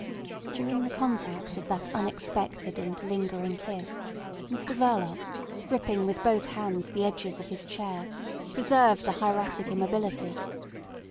During the contact of that unexpected and lingering kiss Mr Verloc, gripping with both hands the edges of his chair, preserved a hieratic immobility.